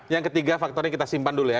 yang ketiga faktornya kita simpan dulu ya